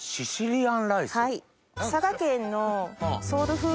はい。